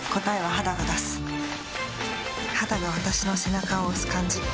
肌が私の背中を押す感じ。